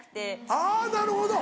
あぁなるほど！